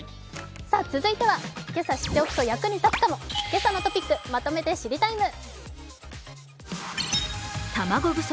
続いては今朝知っておくと役に立つかも「けさのトピックまとめて知りＴＩＭＥ，」。